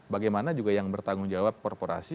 bagaimana juga yang bertanggung jawab korporasi